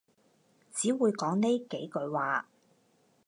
只會講呢幾句話